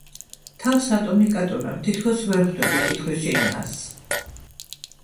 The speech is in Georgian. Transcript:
თავს რატომ იკატუნებ, თითქოს ვერ ხვდები კითხვის შინაარსს?